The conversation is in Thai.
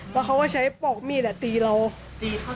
และเขาก็ใช้ปลอกมีดและตีเรา